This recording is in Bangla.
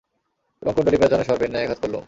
এবং কুণ্ডলী প্যাঁচানো সর্পের ন্যায় আঘাত করলুম।